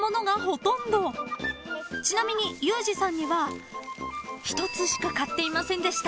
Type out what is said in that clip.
［ちなみにユージさんには１つしか買っていませんでした］